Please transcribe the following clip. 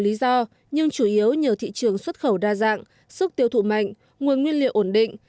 lý do nhưng chủ yếu nhờ thị trường xuất khẩu đa dạng sức tiêu thụ mạnh nguồn nguyên liệu ổn định